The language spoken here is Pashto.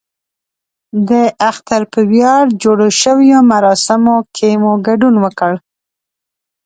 د اختر په ویاړ جوړو شویو مراسمو کې مو ګډون وکړ.